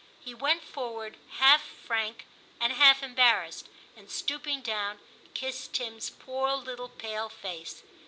He went forward half frank and half embarrassed, and stooping down, kissed Tim's poor little pale face.